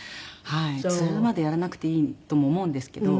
つるまでやらなくていいとも思うんですけど。